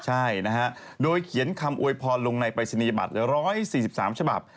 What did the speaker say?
ใช่นะฮะโดยเขียนคำอวยพรลงในปรายศนียบัตร๑๔๓ฉบับ